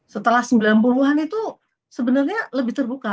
setelah sembilan puluh an itu sebenarnya lebih terbuka